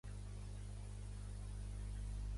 Es va posar el seu nom a un cràter de Mars en honor seu.